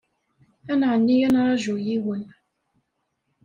Ad nɛenni ad nraju yiwen.